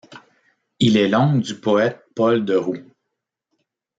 Il est l’oncle du poète Paul de Roux.